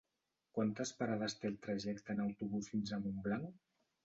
Quantes parades té el trajecte en autobús fins a Montblanc?